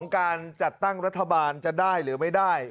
การจัดตั้งรัฐบาลจะได้หรือไม่ได้